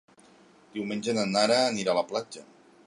Diumenge na Nara anirà a la platja.